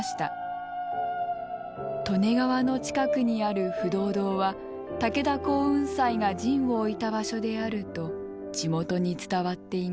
利根川の近くにある不動堂は武田耕雲斎が陣を置いた場所であると地元に伝わっています。